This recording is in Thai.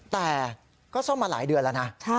แต่ก็ซ่อมมาหลายเดือนแล้วนะ